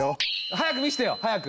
早く見せてよ早く！